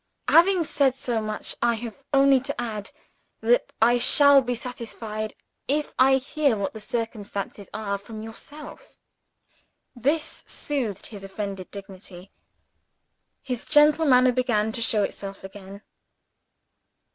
"Having said so much, I have only to add that I shall be satisfied if I hear what the circumstances are, from yourself." This soothed his offended dignity. His gentler manner began to show itself again.